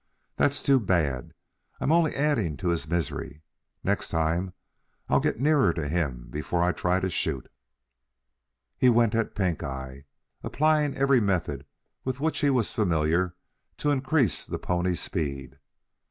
"That's too bad. I'm only adding to his misery. Next time I'll get nearer to him before I try to shoot." He went at Pink eye, applying every method with which he was familiar to increase the pony's speed.